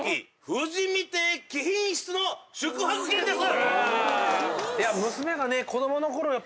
富士見亭貴賓室の宿泊券です